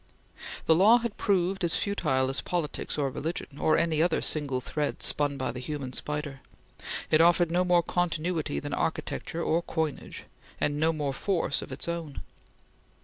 The law had proved as futile as politics or religion, or any other single thread spun by the human spider; it offered no more continuity than architecture or coinage, and no more force of its own.